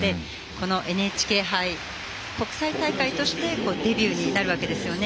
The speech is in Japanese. このＮＨＫ杯、国際大会としてデビューになるわけですよね。